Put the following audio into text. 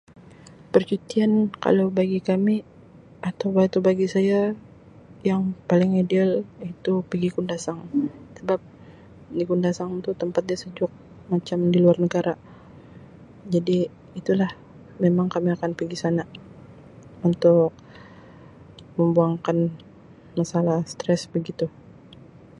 Percutian kalau bagi kami atau bagi saya yang paling ideal iaitu pigi Kundasang sebab di Kundasang tu tempat dia sejuk macam di luar negara jadi itu lah memang kami akan pegi sana untuk membuangkan masalah stress begitu.